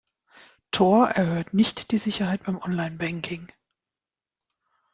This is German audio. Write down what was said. Tor erhöht nicht die Sicherheit beim Online-Banking.